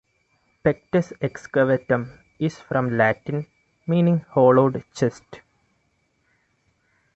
Pectus excavatum is from Latin meaning "hollowed chest".